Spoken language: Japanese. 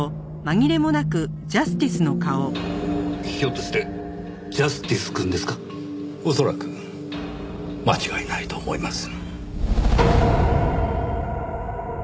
ひょっとして正義くんですか？恐らく。間違いないと思います。